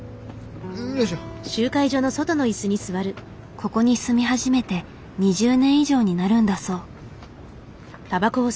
ここに住み始めて２０年以上になるんだそう。